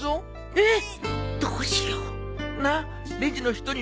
えっ！？